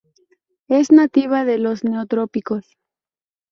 Es nativa de los neotrópicos.